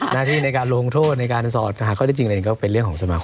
หน้าที่ในการลงโทษในการสอบหาข้อได้จริงอะไรก็เป็นเรื่องของสมาคม